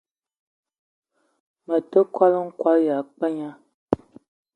Me te kwal-n'kwal ya pagna